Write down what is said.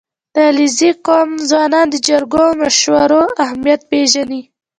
• د علیزي قوم ځوانان د جرګو او مشورو اهمیت پېژني.